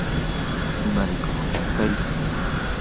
imarikuq kay